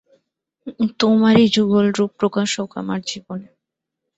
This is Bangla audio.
তোমারই যুগল-রূপ প্রকাশ হোক আমার জীবনে।